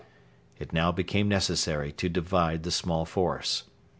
It now became necessary to divide the small force.